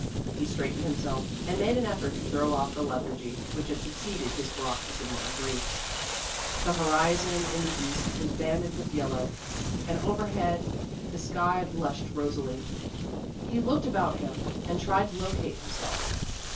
He straightened himself, and made an effort to throw off the lethargy which had succeeded his paroxysms of grief. The horizon in the east was banded with yellow, and overhead the sky blushed rosily. He looked about him and tried to locate himself.